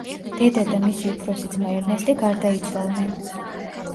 დედა და მისი უფროსი ძმა ერნესტი გარდაიცვალნენ.